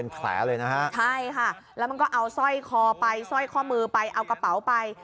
และมันก็เอาซอยขอไปซอยข้อมือไปเอากระเป๋าไป